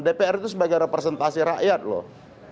dpr itu sebagai representasi rakyat loh